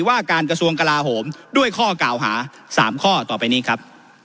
ว่าการกระทรวงกลาโหมด้วยข้อกล่าวหา๓ข้อต่อไปนี้ครับ